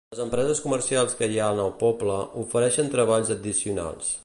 Les empreses comercials que hi ha en el poble, ofereixen treballs addicionals.